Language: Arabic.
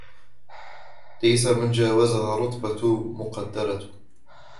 وَلَيْسَ لِمَا جَاوَزَهَا رُتْبَةٌ مُقَدَّرَةٌ